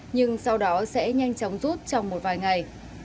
nhưng sau đó sẽ nhanh chóng rút trong một vài ngày